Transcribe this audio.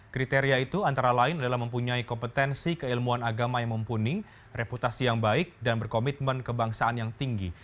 kriteria itu antara lain adalah mempunyai kompetensi keilmuan agama yang mumpuni reputasi yang baik dan berkomitmen kebangsaan yang tinggi